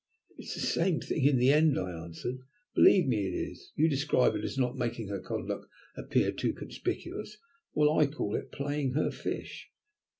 "It's the same thing in the end," I answered. "Believe me it is! You describe it as not making her conduct appear too conspicuous, while I call it 'playing her fish.'